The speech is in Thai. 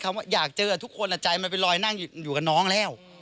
ว่าอยากเจอทุกคนใจมันเป็นรอยนั่งอยู่กับน้องแล้ว